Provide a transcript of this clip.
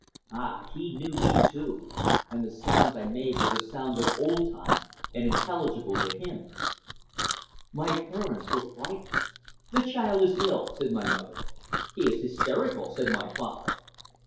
Ah, he knew me, too, and the sounds I made were the sounds of old time and intelligible to him. My parents were frightened. "The child is ill," said my mother. "He is hysterical," said my father.